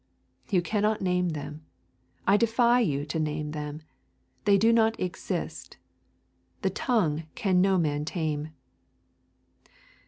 You cannot name them. I defy you to name them. They do not exist. The tongue can no man tame.